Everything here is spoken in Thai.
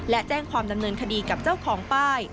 และแจ้งความดำเนินคดีกับเจ้าของป้าย